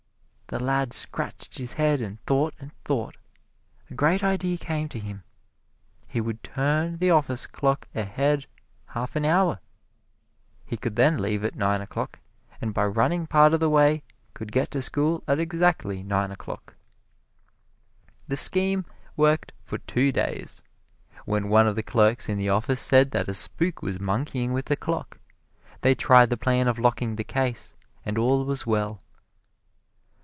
The lad scratched his head and thought and thought. A great idea came to him he would turn the office clock ahead half an hour. He could then leave at nine o'clock, and by running part of the way could get to school at exactly nine o'clock. The scheme worked for two days, when one of the clerks in the office said that a spook was monkeying with the clock. They tried the plan of locking the case, and all was well.